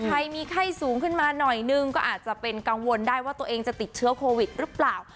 ใครมีไข้สูงขึ้นมาหน่อยนึงก็อาจจะเป็นกังวลได้ว่าตัวเองจะติดเชื้อโควิดหรือเปล่า